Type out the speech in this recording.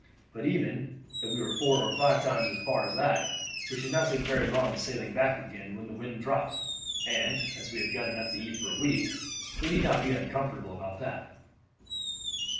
But even if we were four or five times as far as that, we should not take very long in sailing back again when the wind drops, and as we have got enough to eat for a week we need not be uncomfortable about that."